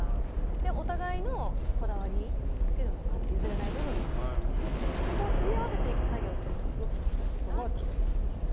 お互いのこだわりっていうのもあって譲れない部分もあったりとかしててそこをすり合わせていく作業っていうのがすごく難しいなって。